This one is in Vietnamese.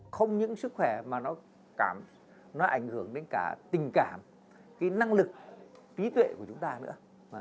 không những sức khỏe mà nó cảm nó ảnh hưởng đến cả tình cảm cái năng lực tí tuệ của chúng ta nữa